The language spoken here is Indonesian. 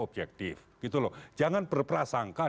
objektif gitu loh jangan berprasangka